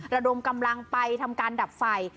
ระดมกำลังไปทำการดับไฟ